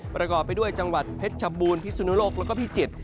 ประกอบไปด้วยจังหวัดเพชรชบูรณพิสุนโลกแล้วก็พิจิตร